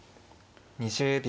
２０秒。